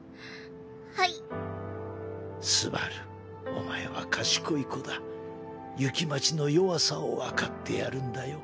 はい昴お前は賢い子だ雪待の弱さを分かってやるんだよ